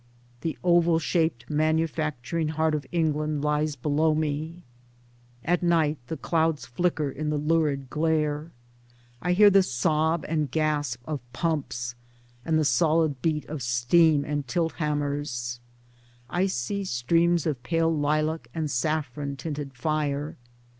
The oval shaped manufacturing heart of England lies below me; at night the clouds flicker in the lurid glare; I hear the sob and gasp of pumps and the solid beat of steam and tilt hammers ; I see streams of pale lilac and saffron tinted fire.